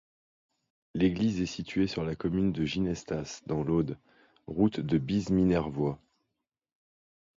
L'église est située sur la commune de Ginestas dans l'Aude, route de Bize-Minervois.